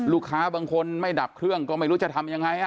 บางคนไม่ดับเครื่องก็ไม่รู้จะทำยังไง